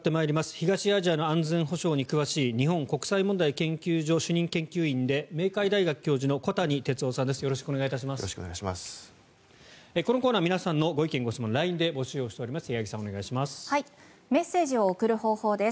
東アジアの安全保障に詳しい日本国際問題研究所主任研究員で明海大学教授の小谷哲男さんです。